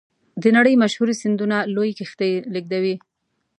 د نړۍ مشهورې سیندونه لویې کښتۍ لیږدوي.